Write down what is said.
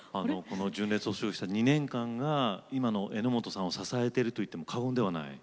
純烈と過ごした２年間が今の榎本さんを支えていると言っても過言ではない。